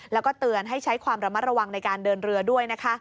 แล้วก็เตือนให้ใช้ความระมัดระวังในการเดินเรือด้วยนะคะ